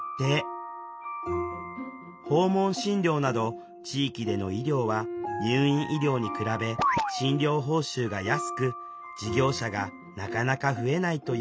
訪問診療など地域での医療は入院医療に比べ診療報酬が安く事業者がなかなか増えないというのです。